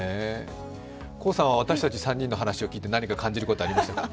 高さんは、私たち３人の話を聞いて感じることはありましたか。